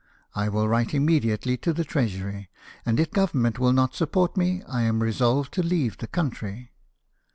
I will write immediately to the Treasury ; and if Govern ment will not support me I am resolved to leave the country."